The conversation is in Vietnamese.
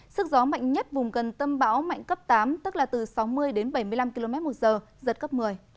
sức gió mạnh nhất vùng gần tâm bão mạnh cấp tám tức là từ sáu mươi đến bảy mươi năm km một giờ giật cấp một mươi